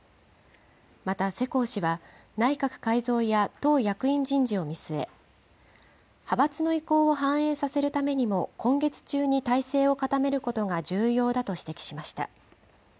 また世耕氏は、内閣改造や党役員人事を見据え、派閥の意向を反映させるためにも今月中に体制を固めることが重要だと指摘しました。